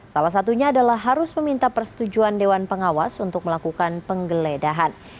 salah satunya adalah harus meminta persetujuan dewan pengawas untuk melakukan penggeledahan